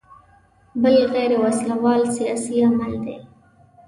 بل غیر وسله وال سیاسي عمل دی.